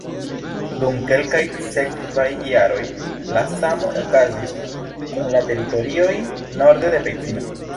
Dum kelkaj sekvaj jaroj la samo okazis kun la teritorioj norde de Pekino.